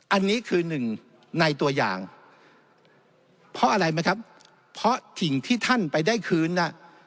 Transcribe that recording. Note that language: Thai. อันนี้คือหนึ่งในตัวอย่างเพราะอะไรไหมครับเพราะสิ่งที่ท่านไปได้คืนน่ะ